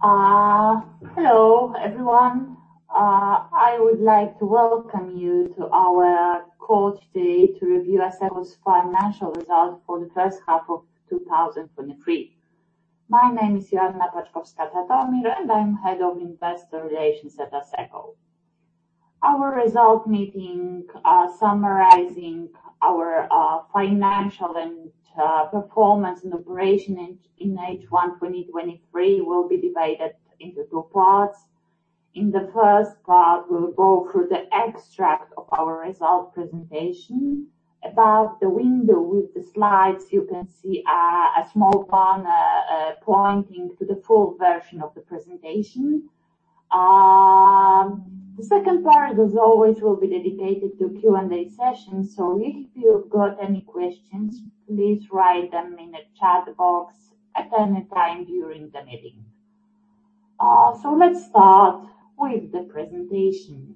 Hello, everyone. I would like to welcome you to our call today to review Asseco's financial results for the first half of 2023. My name is Joanna Paczkowska-Tatomir, and I'm Head of Investor Relations at Asseco. Our result meeting summarizing our financial and performance and operation in H1 2023 will be divided into two parts. In the first part, we'll go through the extract of our result presentation. Above the window with the slides, you can see a small banner pointing to the full version of the presentation. The second part, as always, will be dedicated to Q&A session. So if you've got any questions, please write them in the chat box at any time during the meeting. So let's start with the presentation.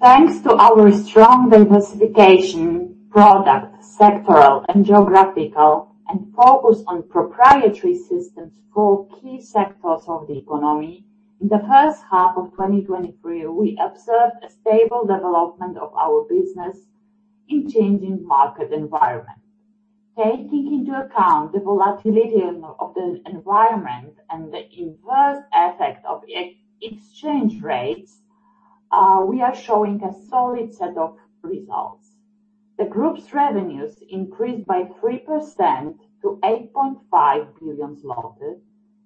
Thanks to our strong diversification, product, sectoral, and geographical, and focus on proprietary systems for key sectors of the economy, in the first half of 2023, we observed a stable development of our business in changing market environment. Taking into account the volatility of the environment and the inverse effect of FX exchange rates, we are showing a solid set of results. The group's revenues increased by 3% to 8.5 billion.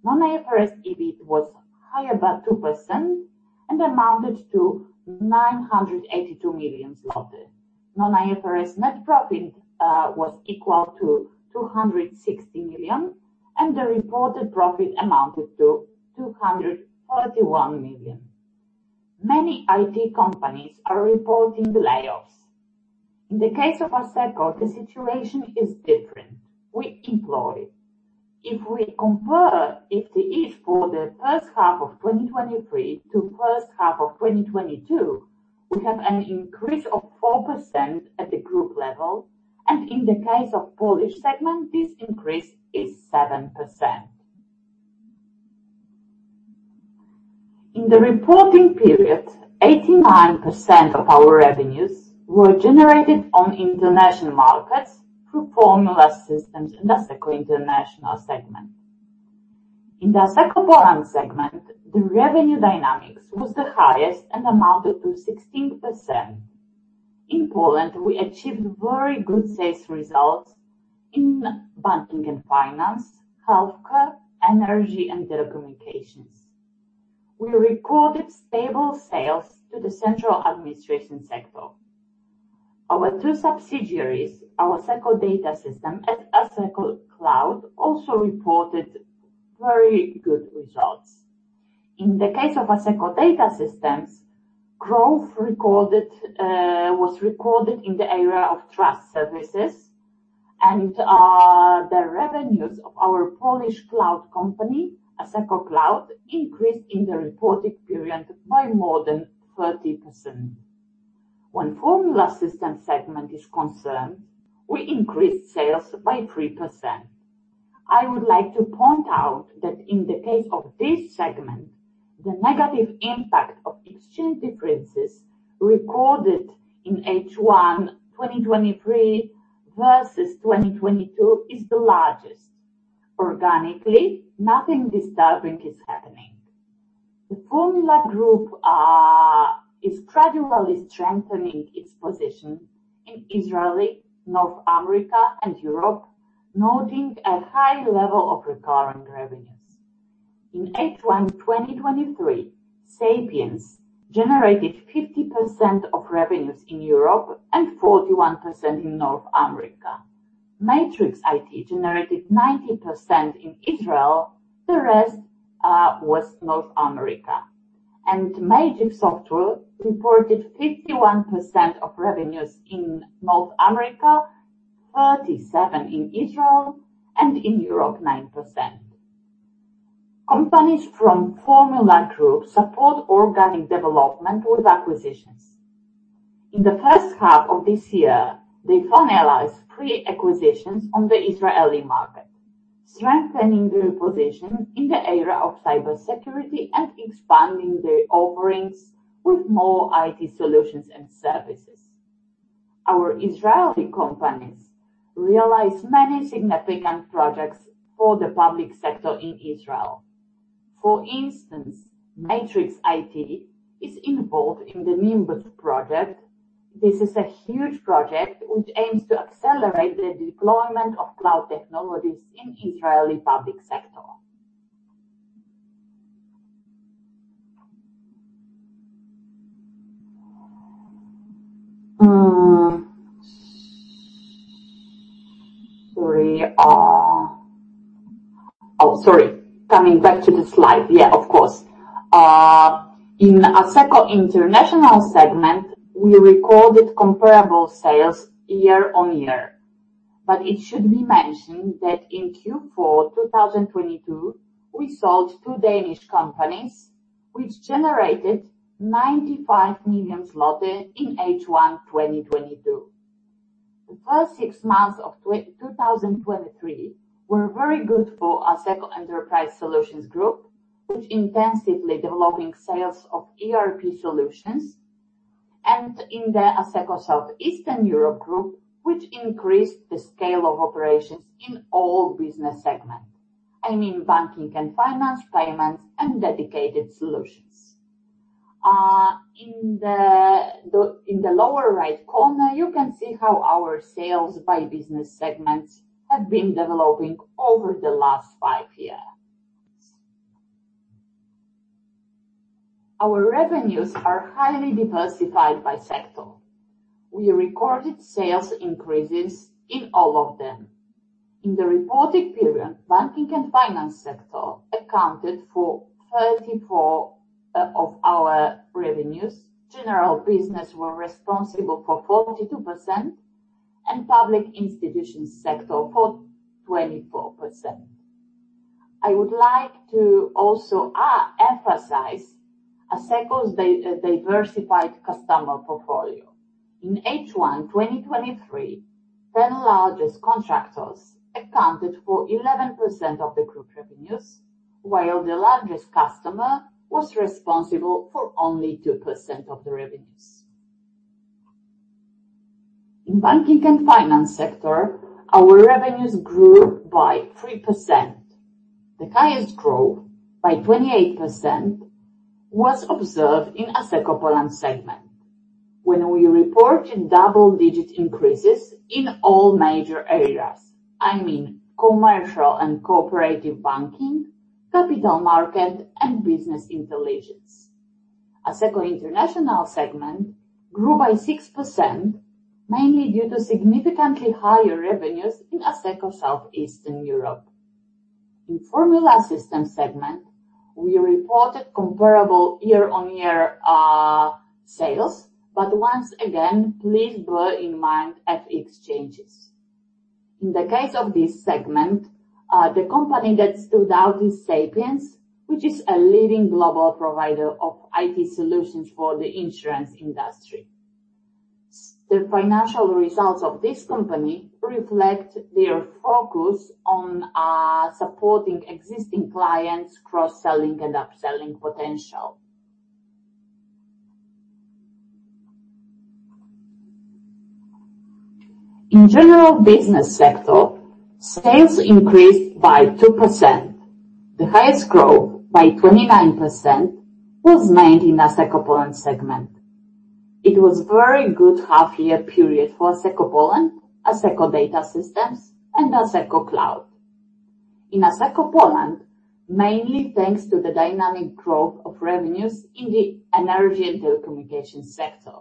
Non-IFRS EBIT was higher by 2% and amounted to 982 million zlotys. Non-IFRS net profit was equal to 260 million, and the reported profit amounted to 231 million. Many IT companies are reporting layoffs. In the case of Asseco, the situation is different. We employ. If we compare FTE for the first half of 2023 to first half of 2022, we have an increase of 4% at the group level, and in the case of Polish segment, this increase is 7%. In the reporting period, 89% of our revenues were generated on international markets through Formula Systems and Asseco International segment. In the Asseco Poland segment, the revenue dynamics was the highest and amounted to 16%. In Poland, we achieved very good sales results in banking and finance, healthcare, energy, and telecommunications. We recorded stable sales to the central administration sector. Our two subsidiaries, Asseco Data Systems and Asseco Cloud, also reported very good results. In the case of Asseco Data Systems, growth recorded, was recorded in the area of trust services, and, the revenues of our Polish cloud company, Asseco Cloud, increased in the reported period by more than 30%. When Formula Systems segment is concerned, we increased sales by 3%. I would like to point out that in the case of this segment, the negative impact of exchange differences recorded in H1 2023 versus 2022 is the largest. Organically, nothing disturbing is happening. The Formula Group is gradually strengthening its position in Israel, North America, and Europe, noting a high level of recurring revenues. In H1 2023, Sapiens generated 50% of revenues in Europe and 41% in North America. Matrix IT generated 90% in Israel, the rest was North America. Magic Software reported 51% of revenues in North America, 37% in Israel, and in Europe, 9%. Companies from Formula Systems support organic development with acquisitions. In the first half of this year, they finalized 3 acquisitions on the Israeli market, strengthening their position in the area of cybersecurity and expanding their offerings with more IT solutions and services. Our Israeli companies realized many significant projects for the public sector in Israel. For instance, Matrix IT is involved in the Nimbus project. This is a huge project which aims to accelerate the deployment of cloud technologies in Israeli public sector. In Asseco International segment, we recorded comparable sales year-on-year, but it should be mentioned that in Q4 2022, we sold 2 Danish companies-... which generated 95 million zloty in H1 2022. The first six months of 2023 were very good for Asseco Enterprise Solutions Group, which intensively developing sales of ERP solutions, and in the Asseco South Eastern Europe Group, which increased the scale of operations in all business segments. I mean, banking and finance, payments, and dedicated solutions. In the lower right corner, you can see how our sales by business segments have been developing over the last 5 years. Our revenues are highly diversified by sector. We recorded sales increases in all of them. In the reported period, banking and finance sector accounted for 34% of our revenues. General business were responsible for 42%, and public institution sector for 24%. I would like to also emphasize Asseco's diversified customer portfolio. In H1 2023, 10 largest contractors accounted for 11% of the group revenues, while the largest customer was responsible for only 2% of the revenues. In banking and finance sector, our revenues grew by 3%. The highest growth, by 28%, was observed in Asseco Poland segment. When we reported double-digit increases in all major areas, I mean, commercial and cooperative banking, capital market, and business intelligence. Asseco International segment grew by 6%, mainly due to significantly higher revenues in Asseco South Eastern Europe. In Formula Systems Segment, we reported comparable year-on-year sales, but once again, please bear in mind FX changes. In the case of this segment, the company that stood out is Sapiens, which is a leading global provider of IT solutions for the insurance industry. The financial results of this company reflect their focus on supporting existing clients, cross-selling and upselling potential. In general business sector, sales increased by 2%. The highest growth, by 29%, was made in Asseco Poland segment. It was very good half year period for Asseco Poland, Asseco Data Systems, and Asseco Cloud. In Asseco Poland, mainly thanks to the dynamic growth of revenues in the energy and telecommunication sector.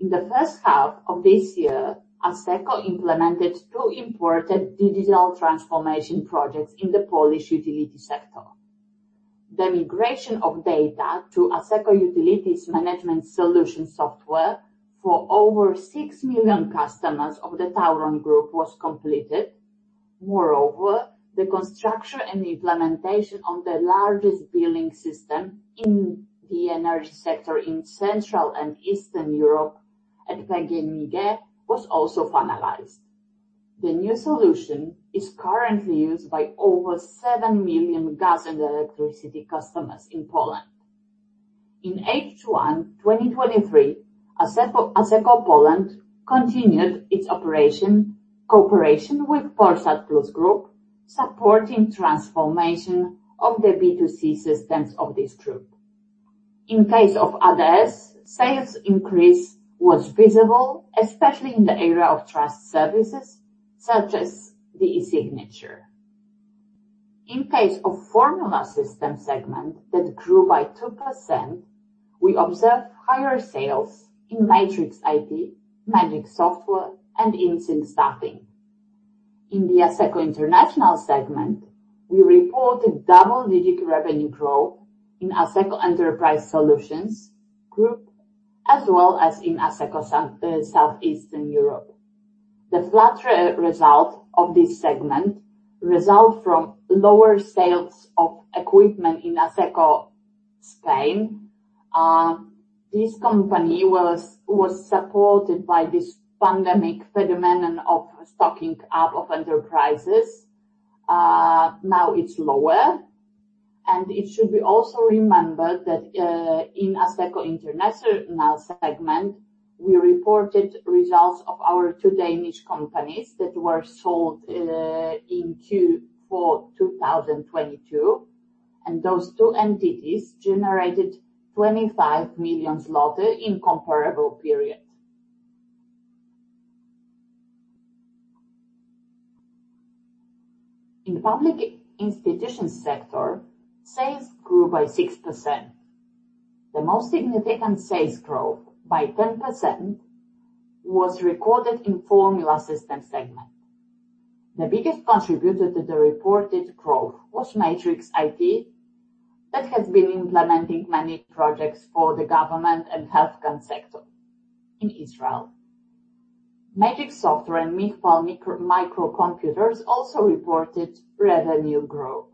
In the first half of this year, Asseco implemented two important digital transformation projects in the Polish utility sector. The migration of data to Asseco Utilities Management Solution software for over 6 million customers of the Tauron Group was completed. Moreover, the construction and implementation of the largest billing system in the energy sector in Central and Eastern Europe at PGNiG was also finalized. The new solution is currently used by over 7 million gas and electricity customers in Poland. In H1 2023, Asseco Poland continued its operation, cooperation with Polsat Plus Group, supporting transformation of the B2C systems of this group. In case of others, sales increase was visible, especially in the area of trust services, such as the e-signature. In case of Formula Systems segment that grew by 2%, we observed higher sales in Matrix IT, Magic Software, and InSync Staffing. In the Asseco International segment, we reported double-digit revenue growth in Asseco Enterprise Solutions, as well as in Asseco South Eastern Europe. The flatter result of this segment results from lower sales of equipment in Asseco Spain. This company was supported by this pandemic phenomenon of stocking up of enterprises. Now it's lower, and it should be also remembered that, in Asseco International segment, we reported results of our two Danish companies that were sold, in Q4 2022, and those two entities generated 25 million zloty in comparable period. In public institution sector, sales grew by 6%. The most significant sales growth, by 10%, was recorded in Formula Systems segment. The biggest contributor to the reported growth was Matrix IT, that has been implementing many projects for the government and healthcare sector in Israel. Magic Software and Michpal Micro Computers also reported revenue growth.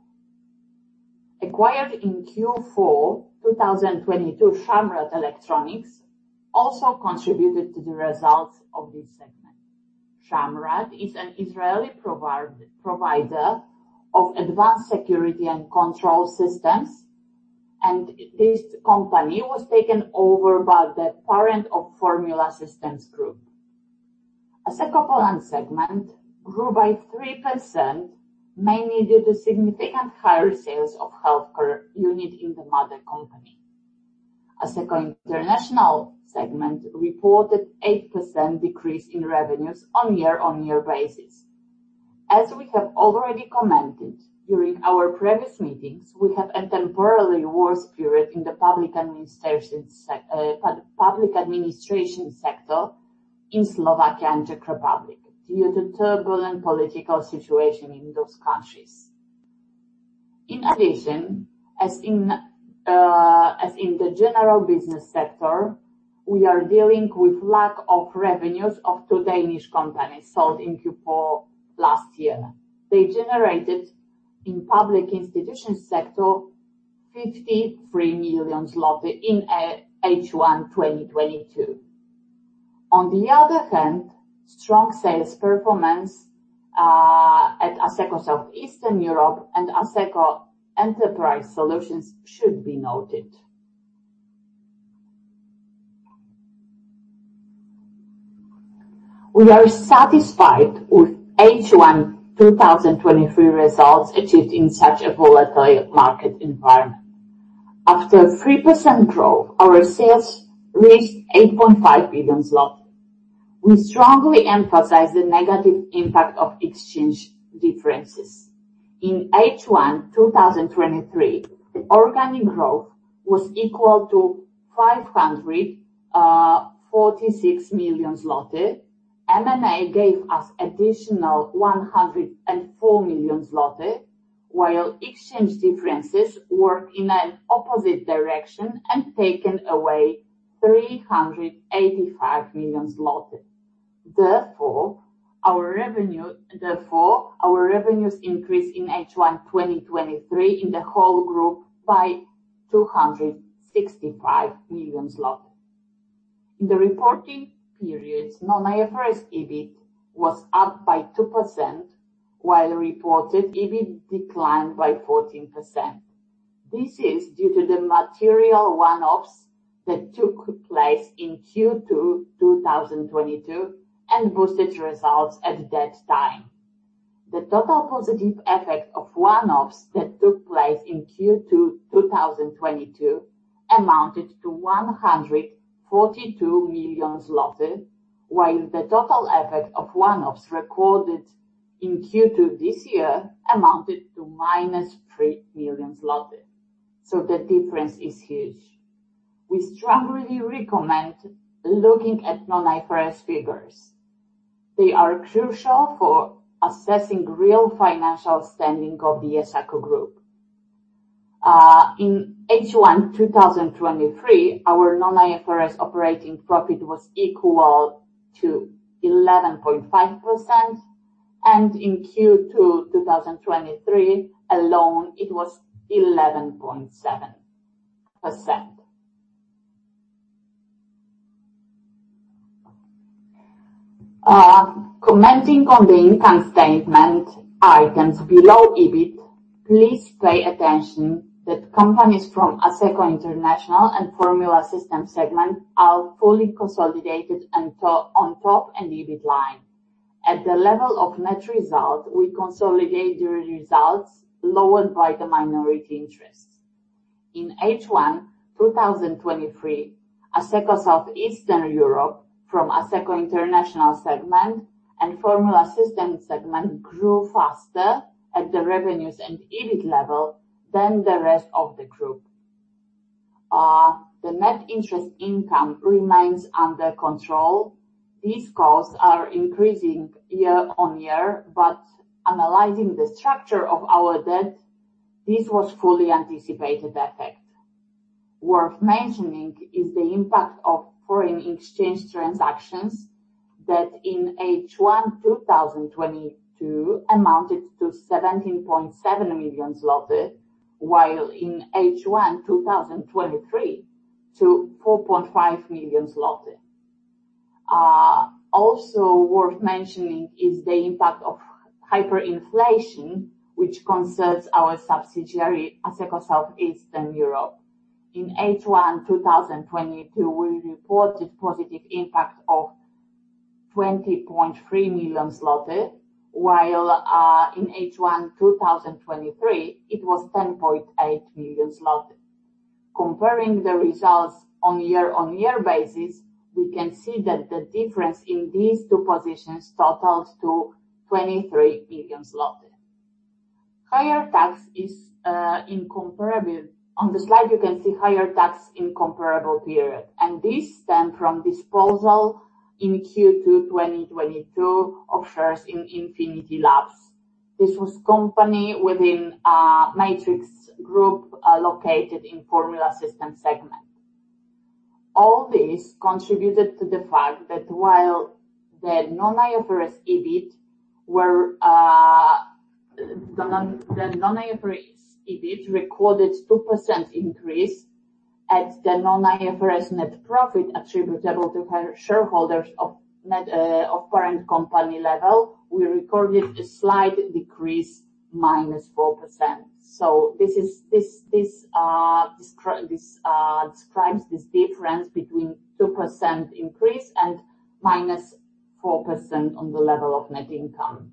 Acquired in Q4 2022, Shamrad Electronics also contributed to the results of this segment. Shamrad is an Israeli provider of advanced security and control systems, and this company was taken over by the parent of Formula Systems Group. Asseco Poland segment grew by 3%, mainly due to significant higher sales of healthcare unit in the mother company. Asseco International segment reported 8% decrease in revenues on year-on-year basis. As we have already commented during our previous meetings, we have a temporarily worse period in the public administration sector in Slovakia and Czech Republic due to turbulent political situation in those countries. In addition, as in the general business sector, we are dealing with lack of revenues of 2 Danish companies sold in Q4 last year. They generated in public institution sector, 53 million zloty in H1 2022. On the other hand, strong sales performance at Asseco South Eastern Europe and Asseco Enterprise Solutions should be noted. We are satisfied with H1 2023 results achieved in such a volatile market environment. After a 3% growth, our sales reached 8.5 billion zloty. We strongly emphasize the negative impact of exchange differences. In H1 2023, the organic growth was equal to 546 million zloty. M&A gave us additional 104 million zloty, while exchange differences work in an opposite direction and taken away 385 million zlotys. Therefore, our revenue-- Therefore, our revenues increase in H1 2023 in the whole group by 265 million zlotys. In the reporting periods, non-IFRS EBIT was up by 2%, while reported EBIT declined by 14%. This is due to the material one-offs that took place in Q2 2022, and boosted results at that time. The total positive effect of one-offs that took place in Q2 2022 amounted to 142 million zloty, while the total effect of one-offs recorded in Q2 this year amounted to -3 million zloty. So the difference is huge. We strongly recommend looking at non-IFRS figures. They are crucial for assessing real financial standing of the Asseco Group. In H1 2023, our non-IFRS operating profit was equal to 11.5%, and in Q2 2023 alone, it was 11.7%. Commenting on the income statement, items below EBIT, please pay attention that companies from Asseco International and Formula Systems segment are fully consolidated and to- on top and EBIT line. At the level of net result, we consolidate their results, lowered by the minority interests. In H1 2023, Asseco South Eastern Europe from Asseco International segment and Formula Systems segment grew faster at the revenues and EBIT level than the rest of the group. The net interest income remains under control. These costs are increasing year-on-year, but analyzing the structure of our debt, this was fully anticipated effect. Worth mentioning is the impact of foreign exchange transactions that in H1 2022 amounted to 17.7 million zloty, while in H1 2023 to 4.5 million zloty. Also worth mentioning is the impact of Hyperinflation, which concerns our subsidiary, Asseco South Eastern Europe. In H1 2022, we reported positive impact of 20.3 million zloty, while in H1 2023, it was 10.8 million zloty. Comparing the results on a year-on-year basis, we can see that the difference in these two positions totals to 23 million zlotys. Higher tax is incomparable. On the slide, you can see higher tax in comparable period, and this stem from disposal in Q2 2022 of shares in Infinity Labs. This was company within Matrix Group, located in Formula Systems segment. All this contributed to the fact that while the non-IFRS EBIT were the non-IFRS EBIT recorded 2% increase at the non-IFRS net profit attributable to her shareholders of net of parent company level, we recorded a slight decrease, -4%. So this describes this difference between 2% increase and -4% on the level of net income.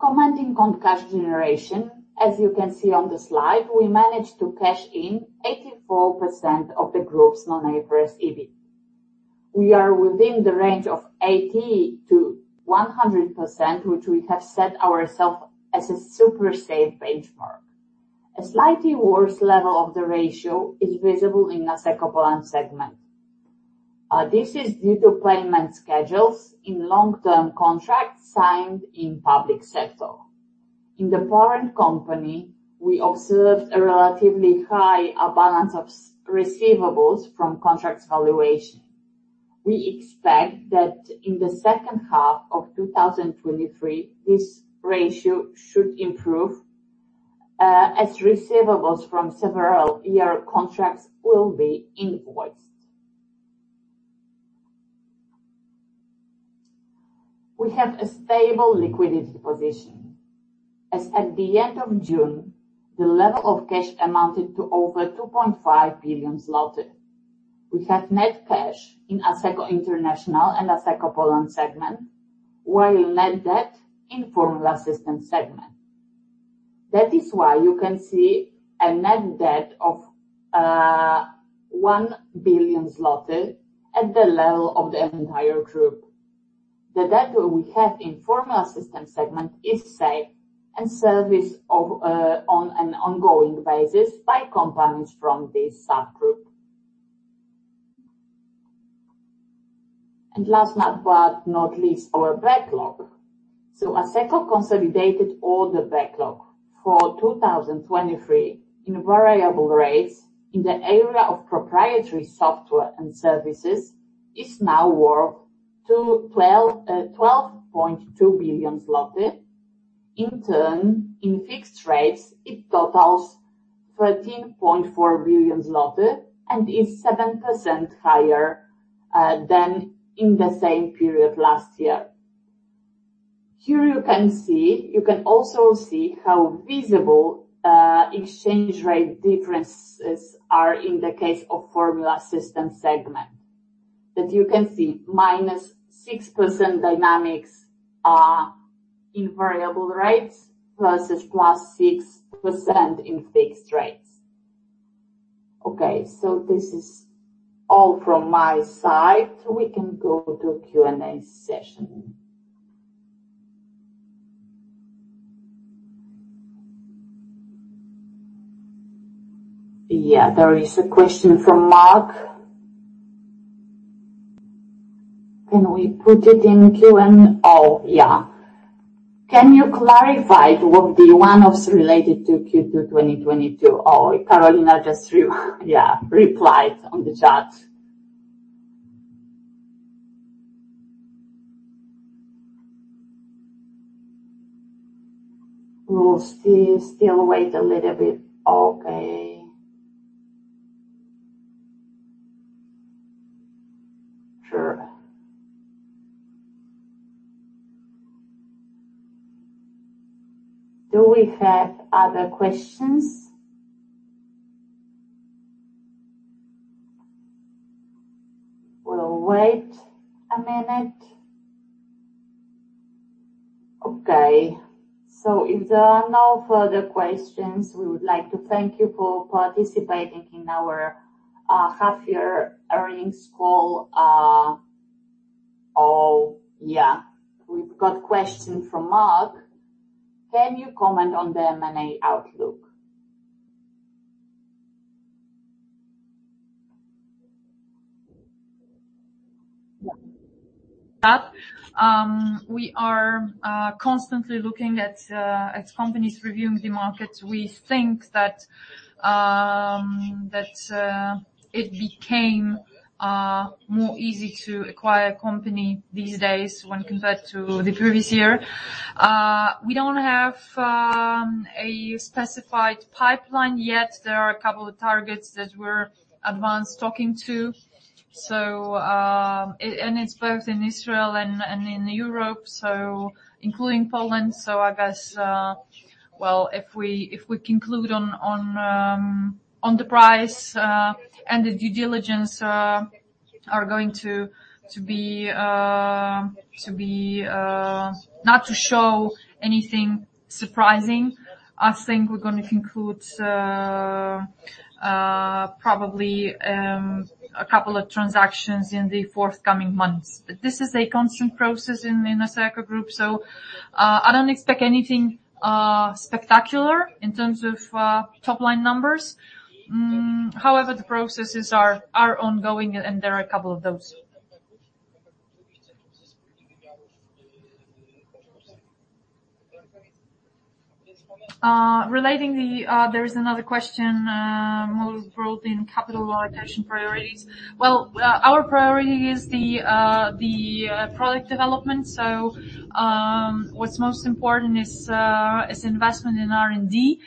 Commenting on cash generation, as you can see on the slide, we managed to cash in 84% of the group's non-IFRS EBIT. We are within the range of 80%-100%, which we have set ourselves as a super safe benchmark. A slightly worse level of the ratio is visible in Asseco Poland segment. This is due to payment schedules in long-term contracts signed in public sector. In the parent company, we observed a relatively high balance of receivables from contracts valuation. We expect that in the second half of 2023, this ratio should improve, as receivables from several year contracts will be invoiced. We have a stable liquidity position. As at the end of June, the level of cash amounted to over 2.5 billion zloty. We have net cash in Asseco International and Asseco Poland segment, while net debt in Formula Systems segment. That is why you can see a net debt of 1 billion zloty at the level of the entire group. The debt we have in Formula Systems segment is safe and serviced of on an ongoing basis by companies from this subgroup. Last but not least, our backlog. Asseco consolidated all the backlog for 2023 in variable rates in the area of proprietary software and services is now worth 12.2 billion zloty. In turn, in fixed rates, it totals 13.4 billion zloty and is 7% higher than in the same period last year. Here you can see. You can also see how visible exchange rate differences are in the case of Formula Systems segment. That you can see -6% dynamics in variable rates, plus it's +6% in fixed rates. Okay, so this is all from my side. We can go to Q&A session. Yeah, there is a question from Mark. Can we put it in Q&A? Oh, yeah. Can you clarify what the one-offs related to Q2 2022? Oh, Karolina just replied on the chat. We'll still wait a little bit. Okay. Sure. Do we have other questions? We'll wait a minute. Okay, so if there are no further questions, we would like to thank you for participating in our half-year earnings call. Oh, yeah, we've got question from Mark: Can you comment on the M&A outlook? Yeah. We are constantly looking at companies reviewing the markets. We think that it became more easy to acquire company these days when compared to the previous year. We don't have a specified pipeline yet. There are a couple of targets that we're advanced talking to. So, it... And it's both in Israel and in Europe, so including Poland. So I guess, well, if we conclude on the price and the due diligence are going to be not to show anything surprising, I think we're gonna conclude probably a couple of transactions in the forthcoming months. But this is a constant process in Asseco Group, so I don't expect anything spectacular in terms of top-line numbers. However, the processes are ongoing, and there are a couple of those. Relating to the, there is another question more on capital allocation priorities. Well, our priority is the product development. So, what's most important is investment in R&D.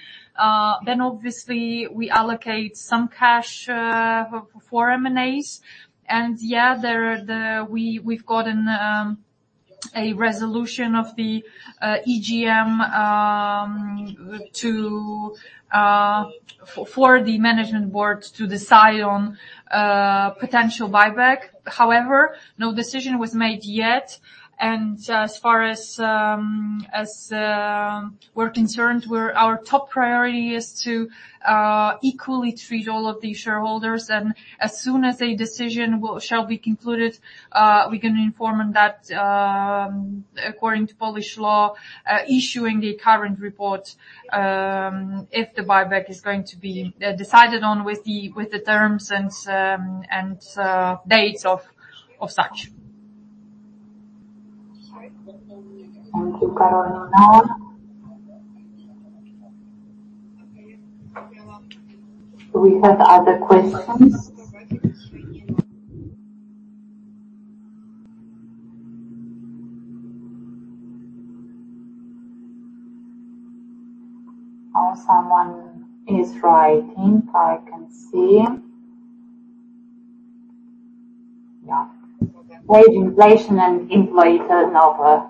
Then obviously, we allocate some cash for M&As. And yeah, we've gotten a resolution of the EGM for the management board to decide on potential buyback. However, no decision was made yet, and as far as we're concerned, where our top priority is to equally treat all of the shareholders, and as soon as a decision will, shall be concluded, we can inform on that, according to Polish law, issuing the current report, if the buyback is going to be decided on with the terms and dates of such. Thank you, Karolina. Do we have other questions? Or someone is writing, I can see. Yeah. Wage Inflation and employee turnover.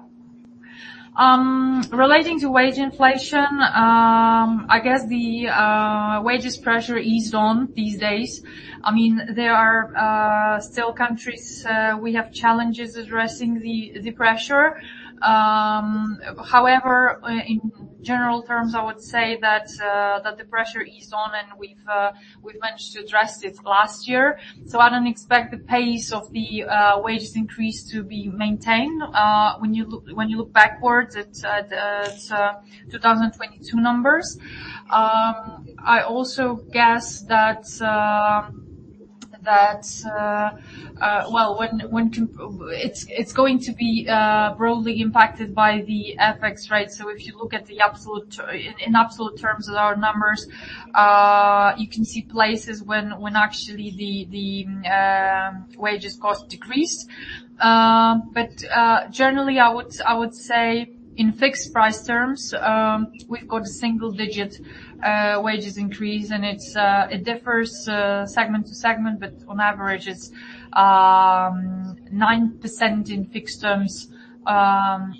Relating to Wage Inflation, I guess the wages pressure eased on these days. I mean, there are still countries we have challenges addressing the pressure. However, in general terms, I would say that the pressure eased on, and we've managed to address it last year. So I don't expect the pace of the wages increase to be maintained. When you look backwards at 2022 numbers. I also guess that... Well, when it's going to be broadly impacted by the FX, right? So if you look at the absolute, in absolute terms of our numbers, you can see places when actually the wages cost decrease. But generally, I would say in fixed price terms, we've got a single-digit wages increase, and it differs segment to segment, but on average, it's 9% in fixed terms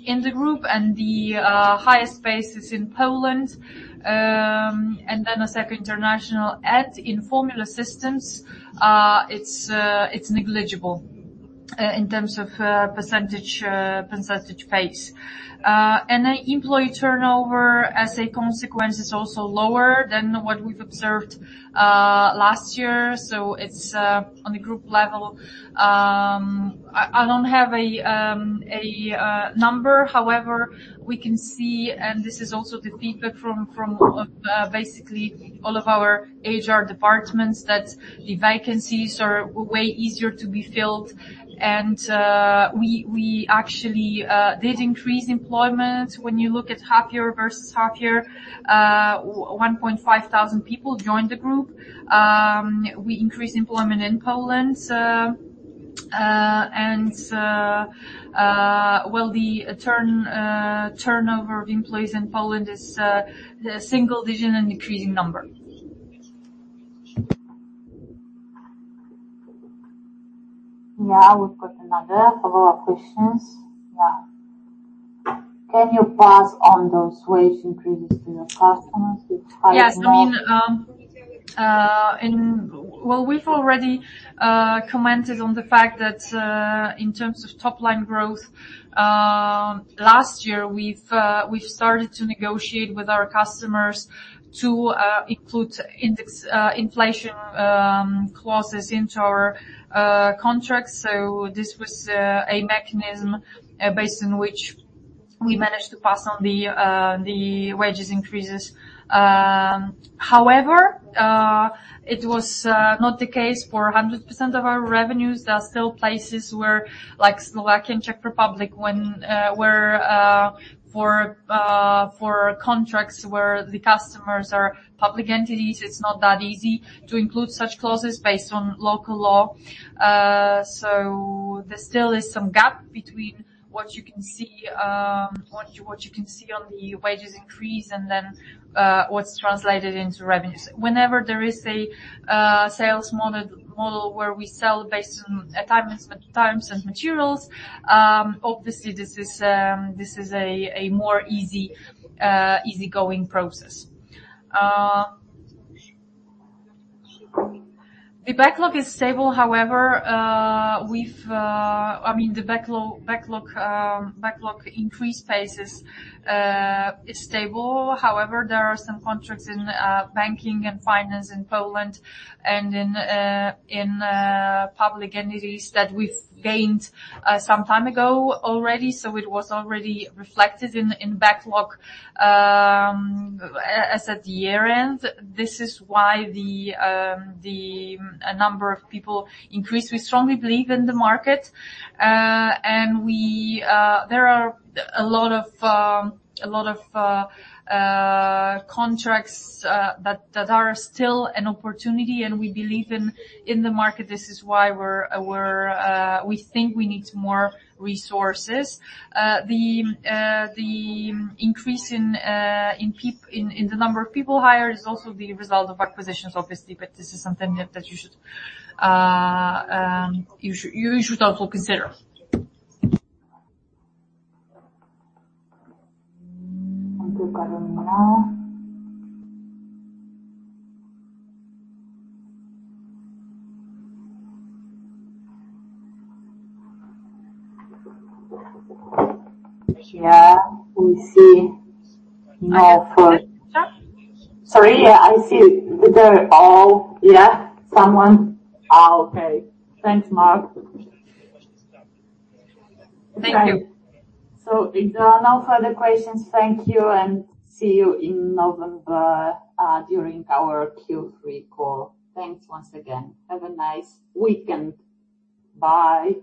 in the group, and the highest pace is in Poland, and then a second international. In Formula Systems, it's negligible in terms of percentage pace. And then employee turnover, as a consequence, is also lower than what we've observed last year, so it's on a group level. I don't have a number. However, we can see, and this is also the feedback from basically all of our HR departments, that the vacancies are way easier to be filled, and we actually did increase employment. When you look at half year versus half year, 1,500 people joined the group. We increased employment in Poland, and, well, the turnover of employees in Poland is a single digit and decreasing number. Yeah, we've got another follow-up questions. Yeah. Can you pass on those wage increases to your customers? Yes, I mean, Well, we've already commented on the fact that, in terms of top-line growth, last year, we've started to negotiate with our customers to include index inflation clauses into our contracts. So this was a mechanism based on which we managed to pass on the wages increases. However, it was not the case for 100% of our revenues. There are still places where, like Slovakia and Czech Republic, where for contracts where the customers are public entities, it's not that easy to include such clauses based on local law. So there still is some gap between what you can see on the wages increase and then what's translated into revenues. Whenever there is a sales model where we sell based on times and materials, obviously, this is a more easy going process. The backlog is stable, however, I mean, the backlog increase pace is stable. However, there are some contracts in banking and finance in Poland and in public entities that we've gained some time ago already. So it was already reflected in backlog as at year-end. This is why the number of people increased. We strongly believe in the market and there are a lot of contracts that are still an opportunity, and we believe in the market. This is why we think we need more resources. The increase in the number of people hired is also the result of acquisitions, obviously, but this is something that you should also consider. Thank you, Karolina. Yeah, we see no further- Sure. Sorry, yeah, I see they're all... Yeah, someone? Oh, okay. Thanks, Mark. Thank you. If there are no further questions, thank you, and see you in November during our Q3 call. Thanks once again. Have a nice weekend. Bye.